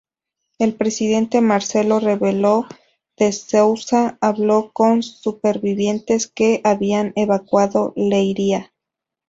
El presidente Marcelo Rebelo de Sousa habló con supervivientes que habían evacuado Leiria.